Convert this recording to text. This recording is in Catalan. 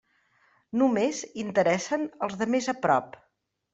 Només interessen els de més a prop.